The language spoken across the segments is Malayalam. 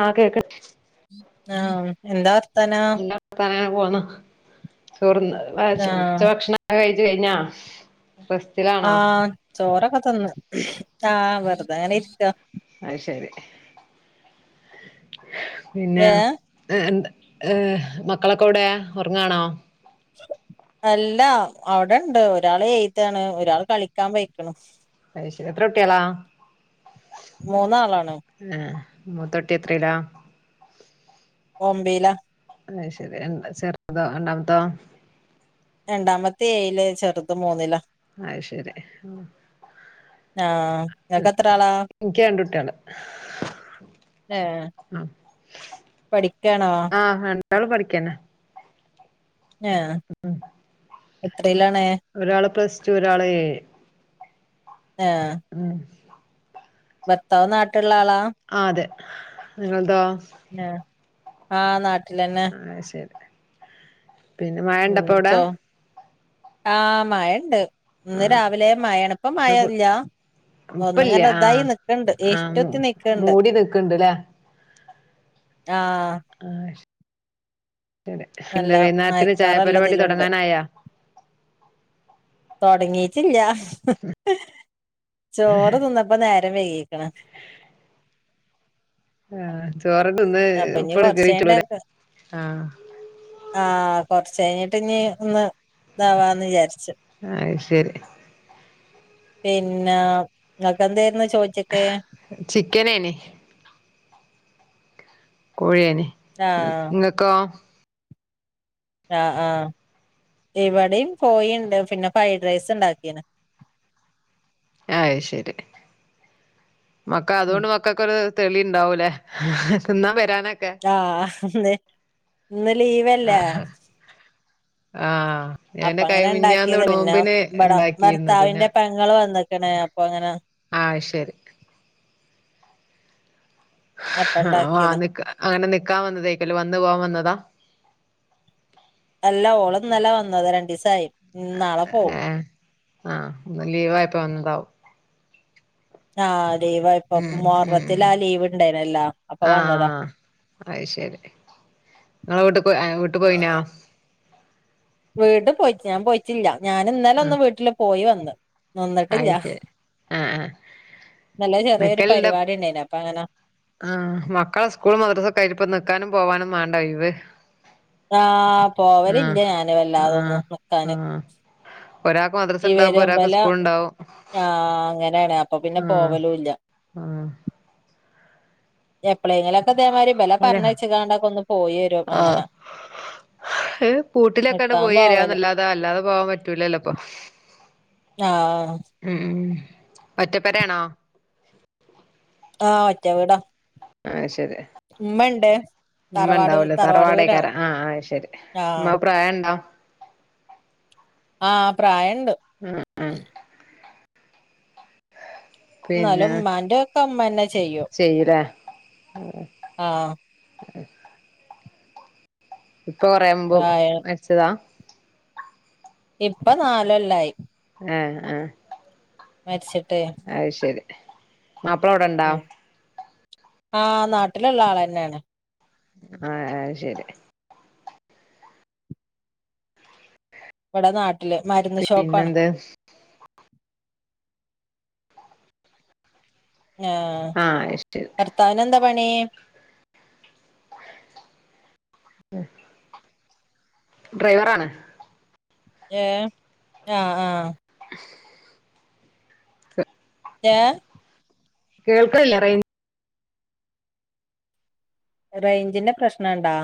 ആഹ് കേക് ആഹ് എന്താ വർത്താനം നല്ല വർത്താനം അങ്ങനെ പോകുന്നു ചോറ് തിന്നോ ആഹ് ഉച്ചഭക്ഷണ ആ കഴിച് കഴിഞ്ഞൊ പട് ആഹ് ചോറൊക്കെ തിന്നു ആഹ് വെറുതങ്ങനെ ഇരിക്ക അഹ് ശരി പിന്നെ ഏഹ് എ എന്ത എഹ് മക്കളൊക്കെ ഇവിടെ ഉറങ്ങാണോ അല്ല അവിടെണ്ട് ഒരാൾ എയ്താണ് ഒരാള് കളിക്കാൻ പോയിക്കണ് അഹ് ശരി എത്ര കുട്ട്യളാ മൂന്നാളാണ് എഹ് മൂത്തൊട്ടി എത്രയിലാ ഒമ്പയില അഹ് ശരി ചെർതോ രണ്ടാമത്തോ രണ്ടാമത്തെ ഏഴില് ചെറുത് മൂന്നില അയ് ശരി ആഹ് ആഹ് ഇങ്ങക്ക് എത്ര ആളാ ഇൻക്ക് രണ്ടു കുട്ട്യേള് ഏഹ് പഠിക്കാണോ ആഹ് രണ്ടാള് പഠിക്കന്നെ ഞാ ഹ ഉം എത്രയിലാണ് ഒരാള് പ്ലസ് ടു ഒരാള് ഏയ്‌ ആഹ് ഉം ഭർത്താവ് നാട്ട്ള്ള ആളാ ആ അതെ നിങ്ങൾതോ ആഹ് ആഹ് നാട്ടിലെന്നെ ആഹ് ശരി പിന്നെ മഴ ഉം ഇണ്ടപ്പ അവിടെ ചോ ആ മഴണ്ട് ഇന്ന് ആഹ് രാവിലേ മഴയാണ് ഇപ്പം ന്ന് ഫു മഴല്ലാ ഇപ്പല്ല ഒന്നുങ്ങനെ ഇതായി ആഹ് നിക്ക്‌ണ്ട് ആഹ് ഇരുട്ടുത്തി നിക്കുണ്ട് മൂടി നിക്ക്ണ്ട്ല്ലേ ആഹ് ആഹ് ശ നല്ല എന്ത് വൈനാരത്തിന് മയക്കാറല്ല ചായപരിപാടി ഇതില്ണ്ട് തുടങ്ങാനായാ തുടങ്ങീട്ടില്ല ചോറ് തിന്നപ്പ നേരം വൈകീക്ണ് ആഹ് ചോറ് തിന്ന് അപ്പൊ ഇനി ഉപ്പട് കേറിട്ടുള്ളൂല കൊറച്ചഴിഞ്ഞിട്ട് ആഹ് ആഹ് കൊർ ച്ചെയ്ഞ്ഞിട്ട് ഞ് ഒന്ന്താവാന്ന്ചാരിച്ച് അയ് ശെരി പിന്നാ നിങ്ങക്കന്തേര്ന്ന് ച്ചോറ്റിക്ക് ചിക്കനേനി കോഴിയേനി ആഹ് ഇങ്ങ ക്കോം ആഹ് ആഹ് ഇവടിം ക്കോയിണ്ട് പിന്നെ ഫ്രൈഡ് റൈസ്ണ്ടാക്കിണ് അഹ് ശെരി മക്ക ഉം അതോണ്ട് മ ക്കക്കൊര്തെളിണ്ടാവൂലേ തിന്നാവെരാന ആഹ് ഇന്ന് ഇന്ന് ലീവെല്ലേ. ആഹ് ആഹ് അപ്പ എന്റെ അങ്ങനെ കൈമിഞ്ഞാന്ന് ഇണ്ടാക്കിയത് നോമ്പിന് ണ്ടാക്കിന്നു പിന്നെ. ങ്ങള് വന്ന്ക്ക്‌ണ് അപ്പൊങ്ങന. ആഹ് ശെരി. അപ്പ ആ ഉണ്ടാക്കിയതാ ആന അങ്ങനെ നിക്കാ വന്നതേക്കല്ലോ വന്ന്പോവാ വന്നതാ. അല്ല ഓള്ന്നലേ വന്നത് രണ്ടീസായി. നാളെ പോവും ഏ ആ ഒ ലീവായപ്പോവന്നതാവും. ആഹ് ലീവായപ്പൊ ഉം ഉം മോറത്തില് ഉം ആ ലീവ് ണ്ടായ്നല്ലാ അപ്പൊ വന്നതാ. അഹ് ശെരി നിങ്ങളെ വീട്ട് പോയി വീട്ട് പോയിനാ. വീട്ട് പോയിറ്റ് ഞാപോയിട്ടില്ല ഞാൻ ഇന്നലെ ഒന്ന് വീട്ടില് പോയി വന്ന്. നിന്നിട്ടില്ല അയി ശെരി ആഹ്, ആ. ഇന്നലെ ചെറ്യോര് പരിവാടിണ്ടായിന് അപ്പ അങ്ങന. ആഹ് മക്കളെ സ്കൂൾ മദ്രസ കയ്ഞ്ഞപ്പ നിക്കാനും പോവാനും വേണ്ടോയ്‌വ്. ആഹ് പോവല്ല്ല ഞാന് വല്ലാതൊന്നും നിക്കാന്. ഒരാക്ക്‌മദ്രസ ഉണ്ടാവുമ്പോ ഒരാക്ക്സ് ഞാഅങ്ങനെണ് അപ്പൊ പിന്നെ ആഹ് പോവലുല്ല. ആഹ്. എപ്പളേങ്കിലൊക്കെ ഇതേമായിരി ബെല അതെ പർഞ്ഞ്ച്ച്ങ്ങാണ്ട്ക്കൊന്ന് പോയി വരും അങ്ങന. ഏ പൂട്ടിലൊക്കെട്പോയിരാനല്ലാതെ അല്ലാതെ പോവാപറ്റൂലല്ലോപ്പൊ. ആഹ്. ഉം ഒറ്റപ്പെരേണോ. ആഹ് ഒറ്റവീടാ. ആഹ് ശെരി. മ്മഇണ്ട്. മ്മണ്ടാവൂലേ തറവാടെയ്കാരം ആഹ് ശെരി ആഹ് ഉമ്മാപ്രായണ്ടോ? ആഹ് പ്രായണ്ട്. ഉം, ആ ന്നാലും മ്മാന്റൊക്കെമ്മന്നെ ചെയ്യും. ചെയ്യുലേ. ആഹ്. ഇപ്പൊ കൊറേമുമ്പ് പ്രായം അരിച്ചതാ. ഇപ്പനാലൊല്ലായി. ആഹ് ആ. മരിച്ചിട്ടേ. അത് ശെരി മാപ്പിളവ്ടെണ്ടാ? ഉം ആഹ് നാട്ടില്ള്ള ആളന്നെണ്. ആഹ് അയ് ശെരി. ഇവടെ നാട്ടില് മര്ന്ന് ഷോപ്പാണ്. പിന്നെന്ത് ആഹ് അത് ശരി ഭർത്താവിനെന്താ പണി? ഉഹ [unintelligible] ഡ്രൈവറാണ്. ഏഹ്, ആഹ്, ആഹ്. [unintelligible] ഏഹ്. കേൾക്കണില്ല റേ റേഞ്ചിന്റെ പ്രശ്നണ്ടോ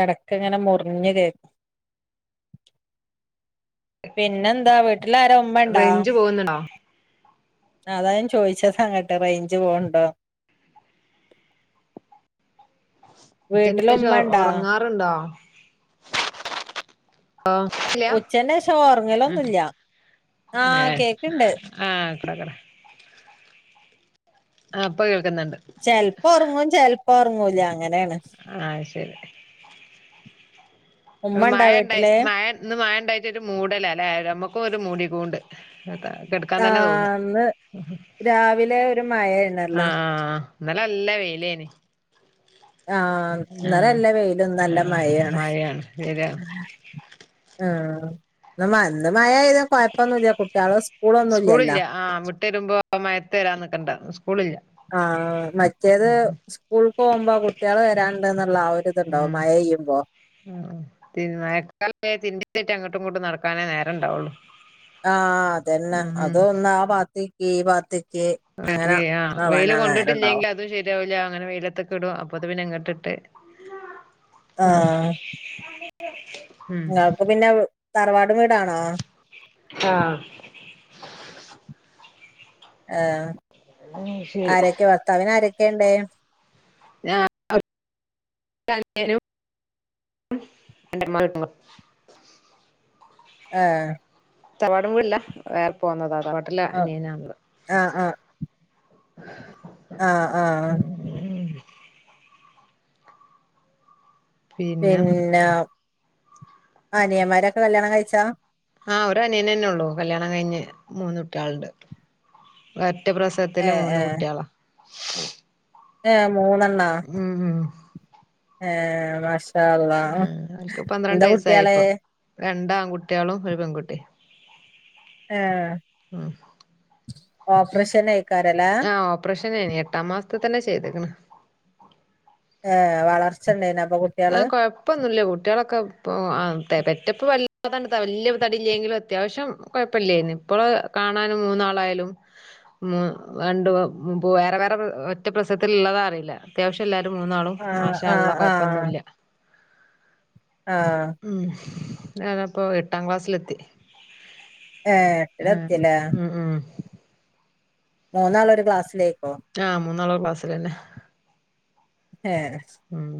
ഇടക്ക് ഇങ്ങനെ മുറിഞ്ഞ് കേ പിന്നെന്താ വീട്ടിലാര ഉമ്മണ്ടോ റേഞ്ച് പോകുന്നുണ്ടോ? അതാ ഞാൻ ചോയിച്ചതങ്ങട്ട് റേഞ്ച് പോണുണ്ടോന്ന്‌ ഉച്ചക്ക് വീട്ടില് ശേഷം ഉമ്മണ്ടാ ഉറങ്ങാറുണ്ടോ ഓഹ് ഇല്ലയാ ഉച്ചന്റെ ശേഷം ഉം ഒറങ്ങലൊന്നുല്ല ആഹ് ഏഹ് കേക്ക്ണ്ട് ആഹ് കട കട ആഹ് ഇപ്പ കേൾക്കുന്നുണ്ട് ചെലപ്പോ ഉറങ്ങും ചെലപ്പോ ഉറങ്ങൂല്ല അങ്ങനേണ് ആഹ് ശരി ഒരു ഉമ്മ ഇണ്ടാ മഴ ഉണ്ടായി വീട്ടില് മയ ഇന്ന് മയണ്ടായിട്ടൊരു മൂടലാ ല്ലേ നമുക്കും ഒരു മുടീങ്ങോണ്ട് അത കടുക്കാൻ തന്നെ തോന്ന ആഹ് ഇന്ന് രാവിലെ ഒരു ആഹ് മഴയായിരുന്നല്ലോ ആഹ് ഇന്നലെ നല്ല വെയിലേന്ന്‌ ആഹ് ഇന്നലെ നല്ല വെയില ഇന്ന് നല്ല ആ മഴയാണ് ആഹ് ഇന്ന് നല്ല മഴ ആയതോണ്ട് കൊയപ്പൊന്നുമില്ല കുട്ടിയാളെ സ് സ്കൂളില്ല ആ വിട്ട് വരുമ്പോ മയത്ത് വരാന്നിക്കണ്ട സ്കൂളില്ല ആഹ് മറ്റേത് ഉം സ്കൂൾക്ക് പോകുമ്പോ കുട്ടിയേള് വരാ ന്നുള്ള ആ ഒരു ഇത്ണ്ടാവും ഉം മഴ പെയ്യുമ്പോ ഉം മയക്കാലായ തിരുമ്പിട്ടേട്ട് അങ്ങോട്ടും ഇങ്ങോട്ടും നടക്കാനേ നേരം ഇണ്ടാവുള്ളു ആഹ് അതന്നെ അതൊന്ന ആ പാത്തിക്ക് ഈ പാത്തിക്ക് വെറി ആഹ് വെയില് കൊണ്ടിട്ടില്ലെങ്കിൽ അതും ശരി യാവുല്ല അങ്ങനെ വെയിലത്തക്കെ ഇടും അപ്പൊ അത് പിന്നെ ഇങ്ങോട്ടിട്ട് ആഹ് ഉം ങ്ങക്ക് പിന്നെ തറവാട് വീടാണോ ആഹ് ആഹ് അത് ശരി ആരൊക്കെ ഭർത്താവിന് ആരൊക്കെ ഉണ്ട് ആഹ് [inaudible] ആഹ് തറവാടുവീടല്ല വേറെ പോന്നതാ തവാട്ടിലനിയനാ ഇള്ളത് ആഹ് ആഹ് ആഹ് ആഹ് പിന്നെ അനിയമാരൊക്കെ കല്യാണം കഴിച്ചാ ആഹ് ഒരനിയനന്നെ ഉള്ളൂ കല്യാണം കഴിഞ്ഞ് മൂന്നുട്ടിയാളുണ്ട് ഒരൊറ്റ പ്രസ ത്തില് ഏഹ് മൂന്ന് ഏഹ് കുട്ടിയോളാ ഏഹ് മൂന്നെണ്ണ ഉം ഉം ഏഹ് മാഷാ ആ അല്ലാഹ് എന്താ കുട്ടിയേള് രണ്ടാൺകുട്ടിയാളും ഒരു പെൺകുട്ടി ഏഹ് ഉം ഓപ്പറേഷനേക്കാരം ല്ലേ ആഹ് ഓപ്പറേഷനേന്ന് എട്ടാം മാസത്ത് തന്നെ ചെയ്തേക്കണ് ഏഹ് വളർച്ചണ്ടായിന അപ്പൊ കുട്ടികള് കൊയപ്പൊന്നുമല്ല കുട്ടികളൊക്കെ ഇപ്പൊ പെറ്റപ്പ വല്ലാതാണ്ട് വലിയ തടില്ലെങ്കിലും അത്യാവശ്യം കുഴപ്പില്ലേന്ന്‌ ഇപ്പോള് കാണാനും മൂന്നാളായാലും മ് രണ്ട് വ്‌ പു വേറെ വേറെ ഒറ്റ പ്രസവത്തില് ഇള്ളതാ അറിയില്ല അത്യാവശ്യം എല്ലാരും മൂന്നാളും ആഹ് മാഷാ ആഹ് അല്ലാഹ് ആഹ് കൊഴപ്പൊന്നുല്ല്യ ആഹ് ഉം ഞാനപ്പോ എട്ടാം ക്ലാസ്സിലെത്തി ഏഹ് ആണ് എട്ടിലെത്തില്ലേ ഉം ഉം മൂന്നാളൊരു ക്ലാസ്സിലേയ്ക്കു ആഹ് മൂന്നാളൊള്ക്ലാസ്സിലെന്നെ ഏഹ് ഉം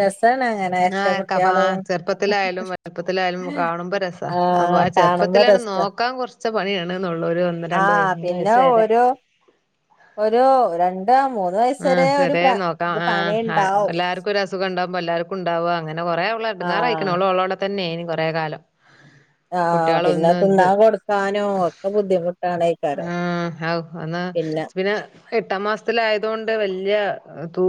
രസാണ് അങ്ങനെ എരട്ട ആഹ് ക ഫ് കുട്ട്യാളും ആഹ് ചെർപ്പത്തിലായാലും വൽപ്പത്തിലായാലും കാണുമ്പോ രസ സാ അപ്പൊ ആഹ് ആ കാണുമ്പോ ചെർപ്പത്തിലാണ് രസാ നോക്കാൻ കൊർച്ച പണിയാണ്ന്നൊള്ളൂ ഒര് ഒന്ന ആഹ് പിന്നെ ഒരു ഒരു രണ്ടോമൂന്ന് വ വയസ് വരെ ആഹ് സെറ്യെ നോക്കാം ആഹ് ഹ എല്ലാര്ക്കു ഒര് അസുഖണ്ടവുമ്പൊ എല്ലാര്ക്കുണ്ടാവാ അങ്ങനെ കൊറേ ഓള് എട്ങ്ങാറയ് ക്ക്ണ് ആഹ് ഓള് ഓളോടെ തന്നേയ്നി കൊറേ കാലം ആഹ് കുട്ട്യാള് പിന്നെ ഒന്ന്ണ്ട് തിന്നാൻ കൊടുക്കാനോ ഒക്കെ ബുദ്ധിമുട്ടാണേക്കാരം ആഹ് ഹാവു ഒന്ന് പിന്നെ എട്ടാം മാസ്ത്തിലായ്തോണ്ട് വെല്ല്യെ തൂ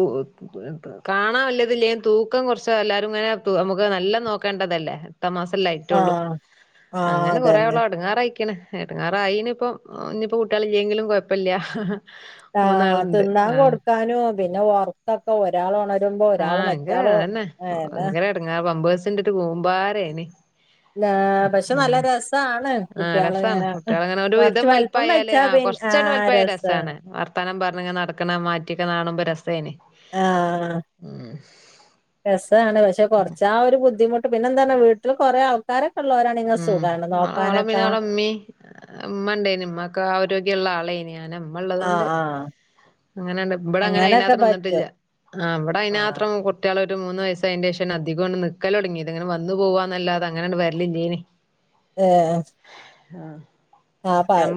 കാണാവല്യത് ഇലേലും തൂക്കം കൊർച്ച് എല്ലാരുംങ്ങനെ നമുക്ക് നല്ലം നോക്കേണ്ട ഇതല്ലേ ട്ടാ മാസംല്ലെ അയ്റ്റൊള്ളൂ ആഹ് ആഹ് അങ്ങനെ കൊറേ അതന്നെ ഓള്എടങ്ങാറയ്ക്ക്ന് എടങ്ങാറ് ആയിന്പ്പൊ ഇഞ്പ്പൊ കുട്ട്യാള് ഇല്ലെങ്കിലും കൊഴപ്പല്ല്യ ആഹ് തിന്നാൻകൊട്ക്കാനും പിന്നെ ഒർ ക്കൊക്കെ ഒരാളൊണരുമ്പോ ഒരാള് മറ്റാളോ ഏഹ് ട് ന്നട്ട്ങ്ങേ പമ്പേഴ്സ്ന്റൊരു കൂമ്പാരേയ്നി ആഹ് പക്ഷെ നല്ലരെസ് സാണ് ആഹ് രസാണ് കുട്ട്യാള്ങ്ങനെ കുട്ടികളങ്ങനെ ഒരു കൊർച്ച് വിധം വൽപ്പം വലിപ്പായാല് വെച്ചാ പിന്നെ ആഹ് രസാണ് ത്താനം പർഞ്ഞ്ങ്ങനെ നടക്ക്ണെ മാറ്റിക്ക്ണാണുമ്പ രസേയ്നി ഇഹ് ആഹ് രസാണ് പക്ഷെ കൊർച്ചാ ഒരു ബുദ്ധിമുട്ട് പിന്നെ എന്തണ് വീട്ട്ല് കൊറേ ആൾക്കാരൊക്കെ ഇള്ളോരാണെങ്ങ സുഖാണ് നോക്കാനൊക്കാ ഇമ്മണ്ടേയ്നി ഉമ്മക്ക് ആരോഗ്യള്ള ആളേയ്നി ആനെ മ്മ ആഹ് ആഹ് അങ്ങനെ ആണ്ട് ബടെ അങ്ങനെ അങ്ങനൊക്കെ അയ്നാത്രം പറ്റും നിന്ന്ട്ടില്ല്യ ആഹ് വടെ ആഹ് അയ്നാത്രം കു ട്ട്യാളൊരു മൂന്ന് വസ്സായിന്റെശാണ് അധികം ആണ്ട് നിക്കലൊട്ങ്യേത് ഇങ്ങനെ വന്ന് പോവാന്നല്ലാതെ അങ്ങനണ്ട് വെര്ല്ലില്ലേയ്നി ഏഹ് ആഹ് ഞാപ്പഹ്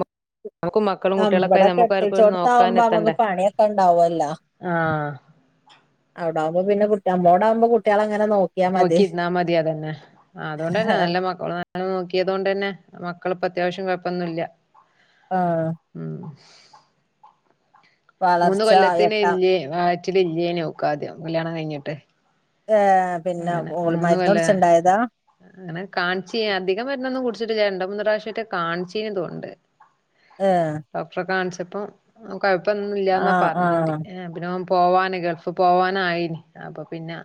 അഹ് മ് കുട്ട്യാളൊക്കായി ബടെ നമ്മുക്കാർക്കും നോക്കാൻ കെട്ടിച്ചോട്താവുമ്പൊ അമ്മക്ക് എത്തണ്ടേ പണിയൊക്കെണ്ടാവൊല്ലോ ആഹ് അവ്ടാവുമ്പൊ പിന്നെ കുട്ടി അമ്മളോടാവുമ്പൊ കുട്ട്യാളങ്ങനെ ന്നോ നോക്കി ഇര്ന്നാമതി അതെന്നെ ആഹ് അതോണ്ടെന്നെ നല്ല മക്കളു ആ ങ്ങനെ നോക്ക്യേതോണ്ടെന്നെ മക്കള്പ്പൊ അത്യാവശ്യം കൊഴ്പ്പൊന്നുല്ല്യ ആഹ് ഉം മൂന്ന് വളർച്ച കൊല്ലത്തിന് എട്ടാം ഇല്ലേയ് വയറ്റ്ല് ഇല്ല്യേയ്നി ഓക്കാദ്യം കല്ല്യാണം കഴ്ഞ്ഞ്ട്ട് ഏഹ് പിന്നെ ഓള് കൊല്ല മര്ന്നുട്ച്ച് ഇണ്ടായതാ അങ്ങനെ കാണിച്ചിന് അധികം മര്ന്നൊന്നും കുട്ച്ച്ട്ടില്ല രണ്ടുമൂന്ന് പ്രാവിശ്യെറ്റെ കാണിച്ചിന്ന് തോന്ന്ണ്ട് ഏഹ് ഡോക്ടറെ കാണിച്ചപ്പം കൊഴപ്പൊന്നുല്ലന്നാ ആഹ് പറഞ്ഞിണ്ട് ആഹ് പിന്നോം പോവാന് ഗൾഫ് പോവാനായിന് അപ്പൊ പിന്നെ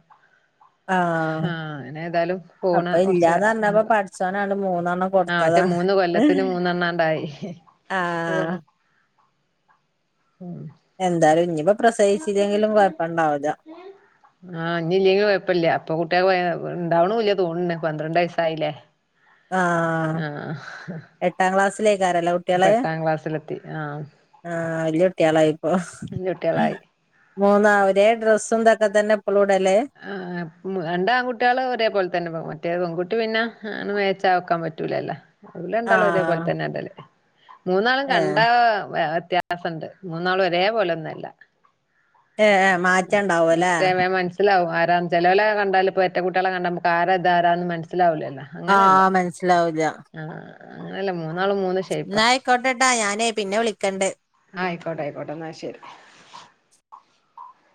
ആഹ് അങ്ങനെതായാലും പോണ അപ്പൊ കൊർച്ചെ ഇല്ലാന്ന് പറഞ്ഞപ്പോ ആഹ് പടച്ചോനാണ്ട് മൂന്നെണ്ണം മറ്റേ കൊടുത്തതാണ് മൂന്ന് കൊല്ലത്തിന് മൂന്നെണ്ണണ്ടായി ഉം ആഹ് എന്തായാലും ഞ്ഞിപ്പോ പ്രസവിച്ചില്ലെങ്കിലും കൊഴപ്പണ്ടാവൂല ആഹ് ഞ്ഞില്ലെങ്കിലും കൊയ്പ്പല്ല പ്പൊ കുട്ട്യാ ണ്ടാവണൂല്ല തോന്ന്ണ് പന്ത്രണ്ട് വയസായില്ലേ ആഹ് എട്ടാം ക്ലാസ്സിലേക്കാരാല്ലെ കു ഇപ്പെട്ടാം ക്ലാസ്സിലെത്തി ആഹ് ആഹ് വെല്യ കുട്ട്യാളായിപ്പൊ അഞ്ച് കുട്ടികളായി മൂന്നാ ഒരേ ഡ്രസ്സും തൊക്കെ തെന്നെ ഇപ്പളും ഇടല്- ആഹ് മ് രണ്ട് ആൺകുട്ട്യാള് ഒരേപോലെത്തെന്നെ മറ്റേ പെൺകുട്ടി പിന്നെ മാച്ചാക്കാൻ പറ്റൂലല്ലോ ഓല് രണ്ടാളും ഒരേപോൽ ആഹ് ത്തെന്നെ ഇടല് മൂന്നാളും ഏഹ് കണ്ടാ വ്യത്യാ സണ്ട് മൂന്നാളും ഒരേ പോലൊന്നും അല്ല ഏ എം മറ്റേ മേം മൻസ് സിലാവും ആരാന്ന് ചെലോലെ കണ്ടാല് പ്പൊ എരട്ട കുട്ട്യാളെ കണ്ടാല് ആരാ ഇതാരാ മൻസ്സിലാവൂലല്ലോ ആഹ് മൻസ്സിലാവൂല്ല ആഹ് ആഹ് അങ്ങനല്ല മൂന്നാളും മൂന്ന്- ന്നാ അയ്ക്കോട്ടെ ട്ടോ ഞാനേ പിന്നെ വിളക്കണ്ട് അയ്ക്കോട്ടെ അയ്ക്കോട്ടെ ന്നാ ശെരി